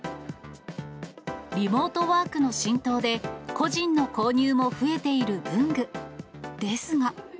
リモートワークの浸透で、個人の購入も増えている文具ですが。